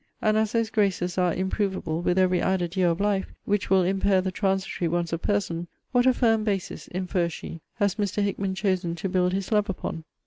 And as those graces are improvable with every added year of life, which will impair the transitory ones of person, what a firm basis, infers she, has Mr. Hickman chosen to build his love upon!'